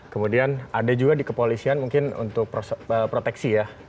kemudian ada juga di kepolisian mungkin untuk proteksi ya